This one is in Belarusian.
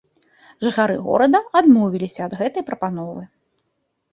Жыхары горада адмовіліся ад гэтай прапановы.